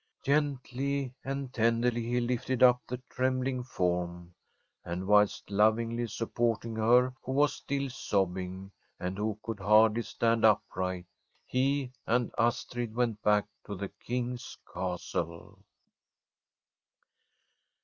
Gently and tenderly he lifted up the trembling form, and whilst lovingly supporting her, who was still sobbing and who could hardly stand upright, he and Astrid went back to the King^s Castle.